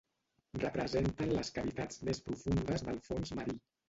Representen les cavitats més profundes del fons marí.